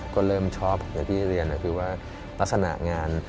ก็เริ่มชอบอย่างที่เรียนคือว่าลักษณะงาน